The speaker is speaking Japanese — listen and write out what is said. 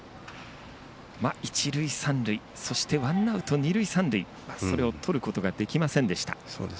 一塁三塁そしてワンアウト二塁三塁それを取ることができませんでした。